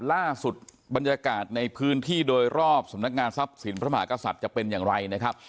ล่าสุดบรรยากาศในพื้นที่โดยรอบสำนักงานทรัพย์สินพระมหากษัตริย์จะเป็นอย่างไรนะครับ